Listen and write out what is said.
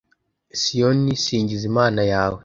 siyoni, singiza imana yawe